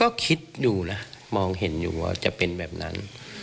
ก็คิดดูนะมองเห็นอยู่ว่าจะเป็นแบบนั้น